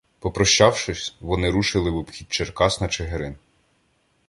Попрощавшись, вони рушили в обхід Черкас на Чигирин.